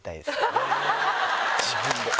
自分で。